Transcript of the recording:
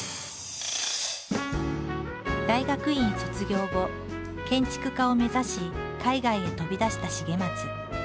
大学院卒業後建築家を目指し海外へ飛び出した重松。